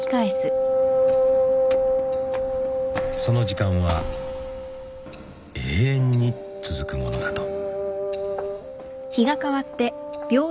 ［その時間は永遠に続くものだと］